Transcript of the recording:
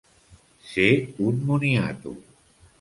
Ser un moniato.